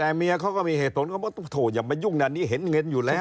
แต่เมียเขาก็มีเหตุผลก็ไม่ต้องโถอย่ามายุ่งนั้นนี่เห็นเงินอยู่แล้ว